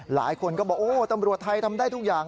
หลายคนก็บอกโอ้ตำรวจไทยทำได้ทุกอย่าง